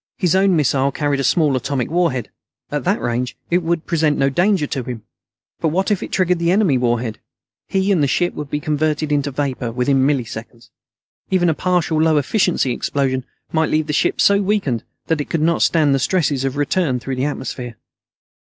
His own missile carried a small atomic warhead. At that range it would present no danger to him. But what if it triggered the enemy warhead? He and the ship would be converted into vapor within microseconds. Even a partial, low efficiency explosion might leave the ship so weakened that it could not stand the stresses of return through the atmosphere.